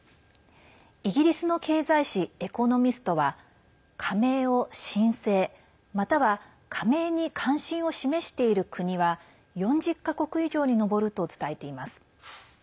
イギリスの経済誌「エコノミスト」は加盟を申請、または加盟に関心を示している国は４０か国以上に上ると伝えています。